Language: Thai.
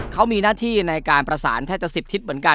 เขามีหน้าที่ในการประสานแทบจะ๑๐ทิศเหมือนกัน